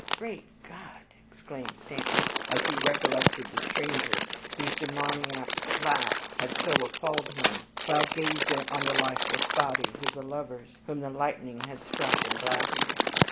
"Great G d!" exclaimed Stanton, as he recollected the stranger whose demoniac laugh had so appalled him, while gazing on the lifeless bodies of the lovers, whom the lightning had struck and blasted.